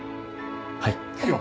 はい。